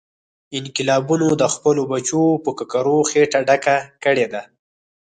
انقلابونو د خپلو بچو په ککرو خېټه ډکه کړې ده.